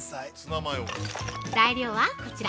材料はこちら！